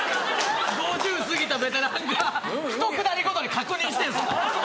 ５０過ぎたベテランがひとくだりごとに確認してるんですか？